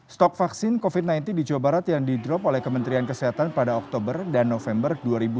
stok vaksin covid sembilan belas di jawa barat yang di drop oleh kementerian kesehatan pada oktober dan november dua ribu dua puluh